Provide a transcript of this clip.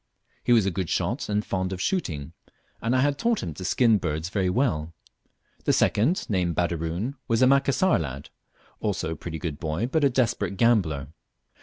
He was a good shot, and fond of shooting, and I had taught him to skin birds very well. The second, named Baderoon, was a Macassar lad; also a pretty good boy, but a desperate gambler.